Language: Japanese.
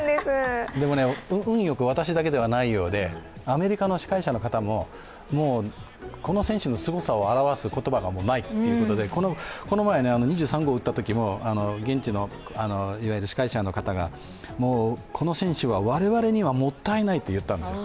でも、運よく私だけではないようでアメリカの司会者の方もこの選手のすごさを表す言葉がないっていうことでこの前、２３号を打ったときも現地の司会者の方がもうこの選手は我々にはもったいないと言ったんですよ。